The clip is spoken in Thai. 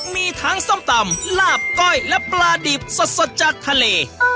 มีทั้งส้มตำลาบก้อยและปลาดิบสดจากทะเล